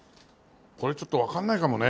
これちょっとわかんないかもね。